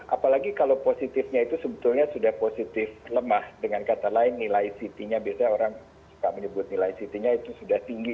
apalagi kalau positifnya itu sebetulnya sudah positif lemah dengan kata lain nilai ct nya biasanya orang suka menyebut nilai ct nya itu sudah tinggi